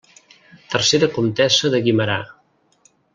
Tercera comtessa de Guimerà.